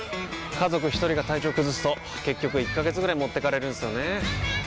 家族一人が体調崩すと結局１ヶ月ぐらい持ってかれるんすよねー。